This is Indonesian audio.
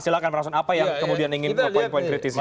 silahkan mason apa yang kemudian ingin poin poin kritisnya